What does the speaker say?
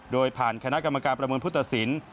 โดยผ่านคณะกรรมการประมวลพุทธศิลป์